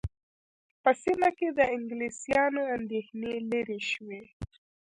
په هغه سیمه کې د انګلیسیانو اندېښنې لیرې شوې.